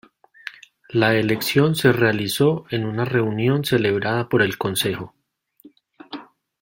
La elección se realizó en una reunión celebrada por el Concejo.